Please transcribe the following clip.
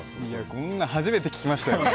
こんなの初めて聞きました。